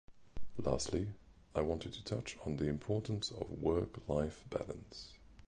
Lastly, I wanted to touch on the importance of work-life balance.